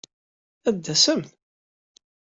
Ad d-tasem?